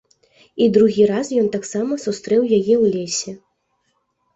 І другі раз ён таксама сустрэў яе ў лесе.